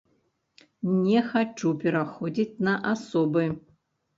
Не хачу пераходзіць на асобы.